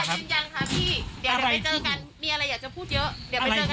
ยืนยันค่ะพี่เดี๋ยวไปเจอกันมีอะไรอยากจะพูดเยอะเดี๋ยวไปเจอกัน